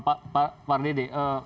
pak pak pak rd d